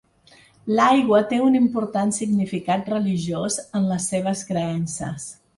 L'aigua té un important significat religiós en les seves creences.